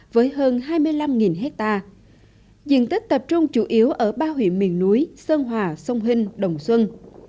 với hơn hai mươi năm hectare diện tích tập trung chủ yếu ở ba huyện miền núi sơn hòa sông hinh đồng xuân